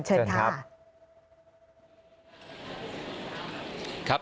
เชิญค่ะค่ะเชิญครับ